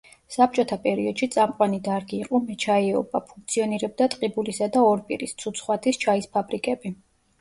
საბჭოთა პერიოდში წამყვანი დარგი იყო მეჩაიეობა, ფუნქციონირებდა ტყიბულისა და ორპირის, ცუცხვათის ჩაის ფაბრიკები.